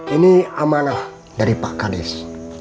ini amanah dari pak kades